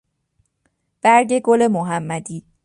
برگ گلمحمدی